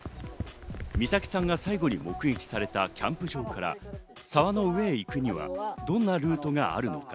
美咲さんが最後に目撃されたキャンプ場から沢の上へ行くにはどんなルートがあるのか？